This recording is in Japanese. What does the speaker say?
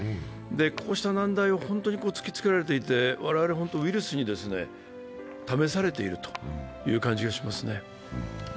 こうした難題を本当に突きつけられていて、我々ウイルスに試されているという感じがしますね。